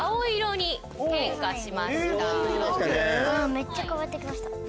めっちゃ変わってきました。